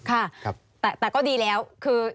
ค่ะแต่ก็ดีแล้วคือ